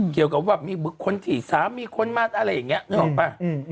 เกี่ยวกับว่ามีบุคคลที่สามีคนมาอะไรอย่างนี้นึกออกป่ะ